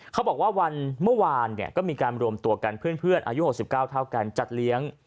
เขาบอกว่าวันเมื่อวานก็มีการรวมตัวกันเพื่อนอายุ๖๙เท่ากันจัดเลี้ยง